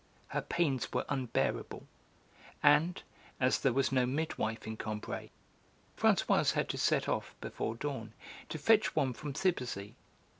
Her pains were unbearable, and, as there was no midwife in Combray, Françoise had to set off before dawn to fetch one from Thiberzy.